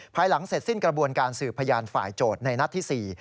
ภายหลังเสร็จสิ้นกระบวนการสืบพยานฝ่ายโจทย์ในนัดที่๔